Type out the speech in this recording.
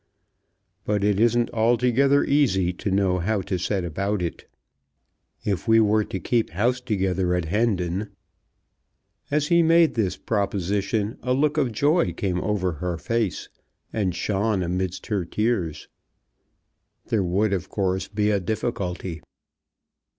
"But it isn't altogether easy to know how to set about it. If we were to keep house together at Hendon " As he made this proposition a look of joy came over her face, and shone amidst her tears. "There would, of course, be a difficulty."